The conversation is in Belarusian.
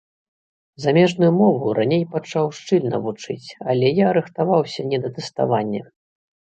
Замежную мову раней пачаў шчыльна вучыць, але я рыхтаваўся не да тэставання.